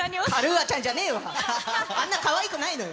あんなかわいくないのよ。